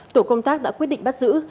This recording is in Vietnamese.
tổ công tác đã quyết định bắt giữ